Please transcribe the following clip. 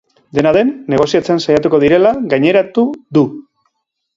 Dena den, negoziatzen saiatuko direla gaineratu du.